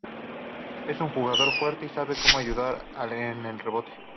Es un jugador fuerte y sabe cómo ayudar en el rebote.